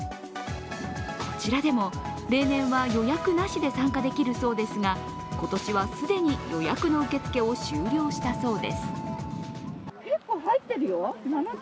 こちらでも例年は予約なしで参加できるそうですが今年は既に予約の受け付けを終了したそうです。